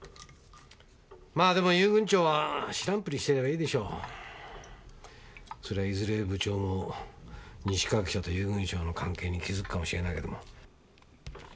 まあでも遊軍長は知らんぷりしてればいいでしょ。そりゃいずれ部長も西川記者と遊軍長の関係に気づくかもしれないけども。